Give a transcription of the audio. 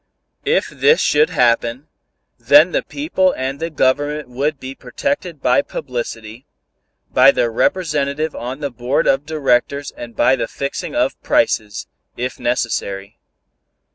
If this should happen, then the people and the Government would be protected by publicity, by their representative on the board of directors and by the fixing of prices, if necessary.